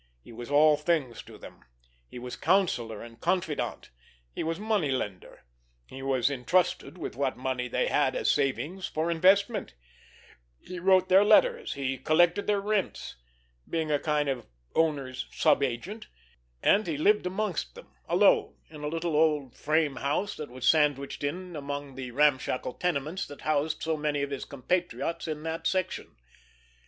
He was all things to them. He was counselor and confidant, he was money lender, he was entrusted with what money they had as savings for investment, he wrote their letters, he collected their rents, being a kind of owners' sub agent, and he lived amongst them, alone, in a little old frame house that was sandwiched in among the ramshackle tenements that housed so many of his compatriots in that section.